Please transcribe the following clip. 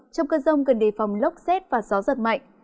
trong cơn rông cần đề phòng lốc xét và gió giật mạnh